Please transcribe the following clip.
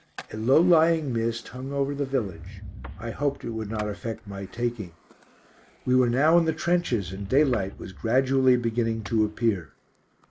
A low lying mist hung over the village. I hoped it would not affect my taking. We were now in the trenches, and daylight was gradually beginning to appear.